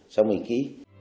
sau mình ký